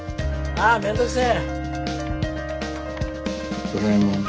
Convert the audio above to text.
あ面倒くせえ！